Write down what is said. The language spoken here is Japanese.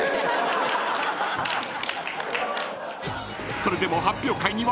［それでも発表会には］